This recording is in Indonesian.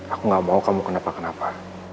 aku nggak mau kamu kenapa kenapa